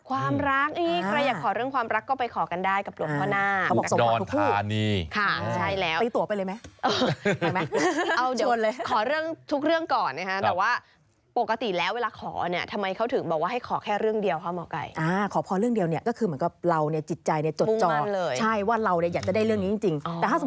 ความรักใครอยากขอเรื่องความรักก็ไปขอกันได้กับตัวพอหน้า